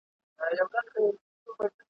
دا بری او سخاوت دی چي ژوندی دي سي ساتلای `